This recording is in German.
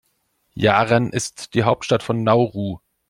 Yaren ist die Hauptstadt von Nauru.